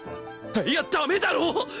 いやダメだろ！